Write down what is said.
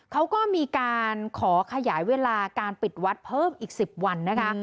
เขาก็มีการขอขยายเวลาการปิดวัดเพิ่มอีก๑๐วันนะคะ